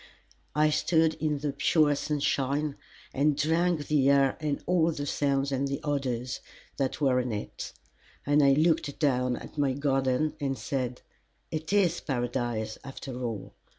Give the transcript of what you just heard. I stood in the pure sunshine and drank the air and all the sounds and the odors that were in it; and I looked down at my garden and said: "It is Paradise, after all."